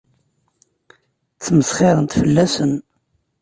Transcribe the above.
Ttmesxiṛent fell-asen.